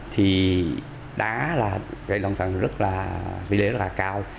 thì đá gây loạn thân rất là tỷ lệ rất là cao